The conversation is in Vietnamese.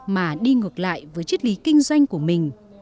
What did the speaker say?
mà đi ngược lại với chiếc lý kinh doanh của mình